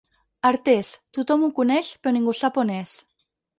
Artés, tothom ho coneix, però ningú sap on és.